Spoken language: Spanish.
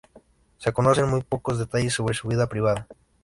Se conocen muy pocos detalles sobre su vida privada.